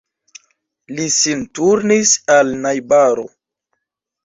Li sin turnis al najbaro.